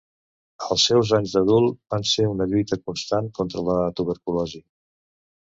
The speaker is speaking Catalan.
Els seus anys d'adult van ser una lluita constant contra la tuberculosi.